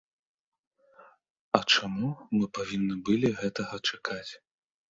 А чаму мы павінны былі гэтага чакаць?